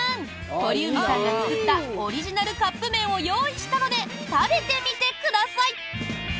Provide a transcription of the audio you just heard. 鳥海さんが作ったオリジナルカップ麺を用意したので食べてみてください。